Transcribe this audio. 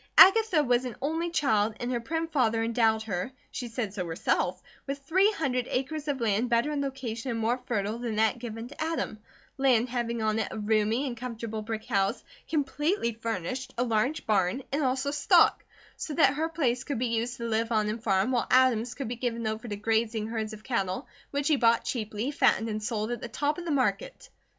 Agatha was an only child, and her prim father endowed her, she said so herself, with three hundred acres of land, better in location and more fertile than that given to Adam, land having on it a roomy and comfortable brick house, completely furnished, a large barn and also stock; so that her place could be used to live on and farm, while Adam's could be given over to grazing herds of cattle which he bought cheaply, fattened and sold at the top of the market.